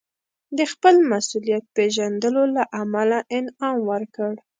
د خپل مسوولیت پېژندلو له امله انعام ورکړ.